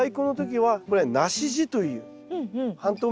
はい。